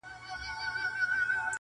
او نه هېرېدونکي پاتې کيږي ډېر-